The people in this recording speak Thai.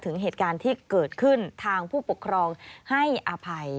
ถึงเหตุการณ์ที่เกิดขึ้นทางผู้ปกครองให้อภัย